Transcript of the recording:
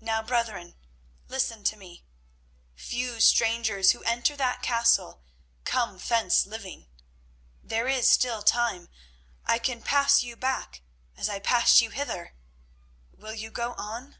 Now, brethren, listen to me. Few strangers who enter that castle come thence living. There is still time; I can pass you back as I passed you hither. Will you go on?"